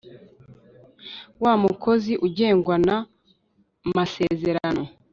wu mukozi ugengwa na masezerano